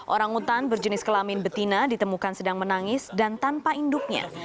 orang utan berjenis kelamin betina ditemukan sedang menangis dan tanpa induknya